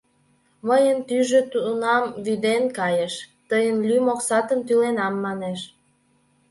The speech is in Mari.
Мыйын тӱжӧ тунам вӱден кайыш, тыйын лӱм оксатым тӱленам манеш.